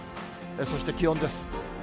そして気温です。